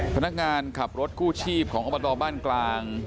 พนักงานขับรถกู้ชีพของอบตบ้านกลาง